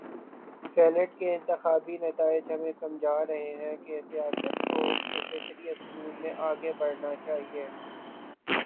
Senate کے انتخاباتی نتائج ہمیں سمجھا رہے ہیں کہ سیاست کو اس کے فطری اسلوب میں آگے بڑھنا چاہیے۔